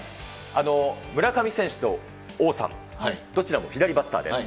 村上選手と王さん、どちらも左バッターです。